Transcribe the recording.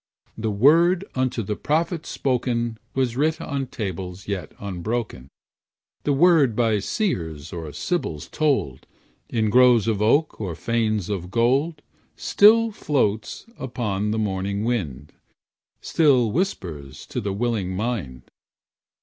The word unto the prophet spoken Was writ on tables yet unbroken; The word by seers or sibyls told, In groves of oak, or fames of gold, Still floats upon the morning wind, Still whispters to the willing mind.